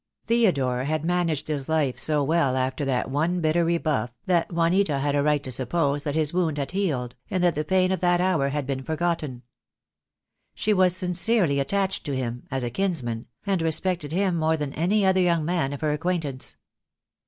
Theodore had managed his life so well after that one bitter rebuff that Juanita had a right to suppose that his wound had healed, and that the pain of that hour had been forgotten. She was sincerely attached to him, as a kinsman, and respected him more than any other young man of her acquaintance.